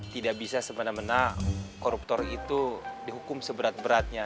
tidak bisa sebenarnya koruptor itu dihukum seberat beratnya